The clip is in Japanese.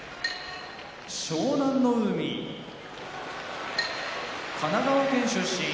湘南乃海神奈川県出身